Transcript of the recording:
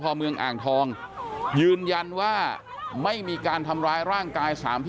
เขาบอกว่าเออขอแรงน้องพวกผู้หญิงน้อยมาช่วยจับเขาหน่อยช่วยอุ้มอะไรอย่างนี้ช่วยอะไรอย่างนี้